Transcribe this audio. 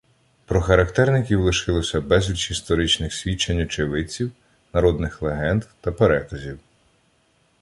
Про характерників лишилося безліч історичних свідчень очевидців, народних легенд та переказів.